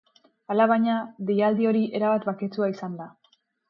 Alabaina, deialdi hori erabat baketsua izan da.